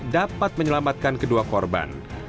dapat menyelamatkan kedua korban